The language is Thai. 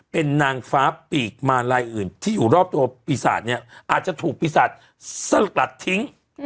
เป็นนางฟ้าปีกมาลายอื่นที่อยู่รอบตัวปีศาจเนี่ยอาจจะถูกปีศาจสลัดทิ้ง